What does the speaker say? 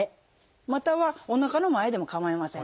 またはおなかの前でもかまいません。